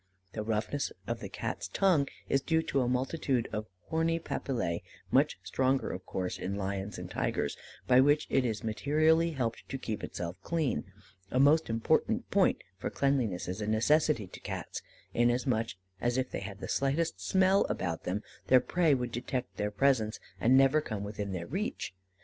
The roughness of the Cat's tongue is due to a multitude of horny papillæ (much stronger, of course, in lions and tigers), by which it is materially helped to keep itself clean, a most important point, for cleanliness is a necessity to Cats, inasmuch, as if they had the slightest smell about them, their prey would detect their presence, and never come within their reach.